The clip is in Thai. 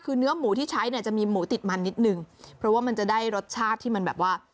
คือเนื้อหมูที่ใช้เนี่ยจะมีหมูติดมันนิดนึงเพราะว่ามันจะได้รสชาติที่มันแบบว่า